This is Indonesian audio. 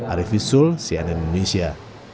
arief isul cnn indonesia